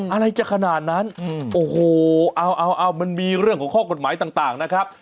อะไรจะขนาดนั้นโอ้โหเอามันมีเรื่องของข้อกฎหมายต่างนะครับ